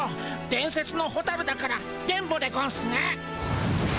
伝説のホタルだから伝ボでゴンスね。